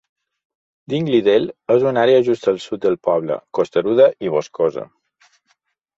Dingley Dell és una àrea just al sud del poble, costaruda i boscosa.